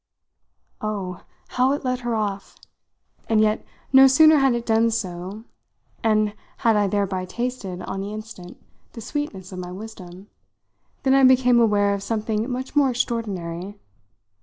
Oh, how it let her off! And yet, no sooner had it done so and had I thereby tasted on the instant the sweetness of my wisdom, than I became aware of something much more extraordinary.